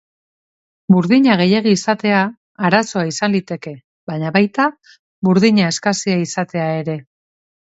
Burdina gehiegi izatea arazoa izan liteke, baina baita burdina eskasia izatea ere.